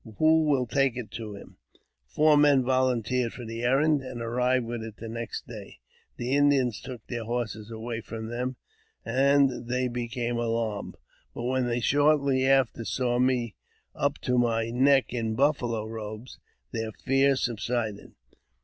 Who ' will take it to him ?" Four men volunteered for the errand, and arrived with it next day. The Indians took their horses away from them, and they became alarmed ; but when they shortly after saw me up to my neck in buffalo robes, their fear subsided.